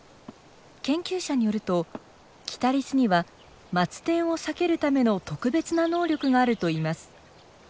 研究者によるとキタリスにはマツテンを避けるための特別な能力があるといいます。